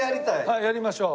はいやりましょう。